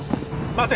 待て！